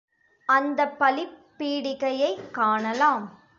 அந்தப் பலிப் பீடிகையைக் காணலாம்.